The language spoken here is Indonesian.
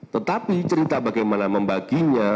tetapi cerita bagaimana membaginya